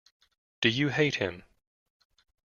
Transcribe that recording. Do you hate him?